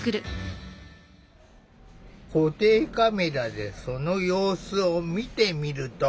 固定カメラでその様子を見てみると。